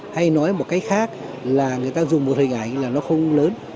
hay nói một cách khác là người ta dùng một hình ảnh là nó không lớn